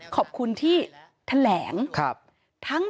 ขอบคุณที่แถลง